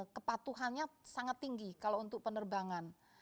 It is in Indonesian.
kepatuhannya sangat tinggi kalau untuk penerbangan